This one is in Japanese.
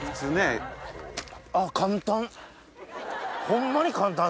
あっ簡単！